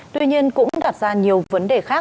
tuy nhiên cũng đặt ra nhiều vấn đề khác